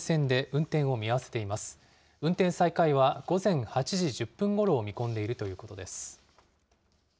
運転再開は午前８時１０分ごろを見込んでいるということです。